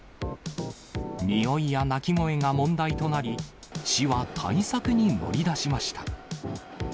臭いや鳴き声が問題となり、市は対策に乗り出しました。